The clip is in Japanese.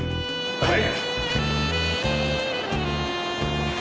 はい。